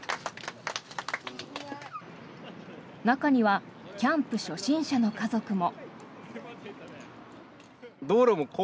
中にはキャンプ初心者の家族も。